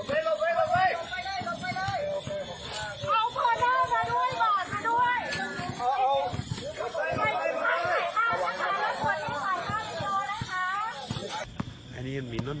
เอาพอร์น่ามาด้วยก่อนด้วย